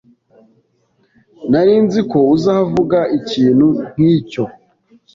Nari nzi ko uzavuga ikintu nkicyo.